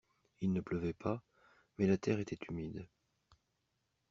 il ne pleuvait pas, mais la terre était humide.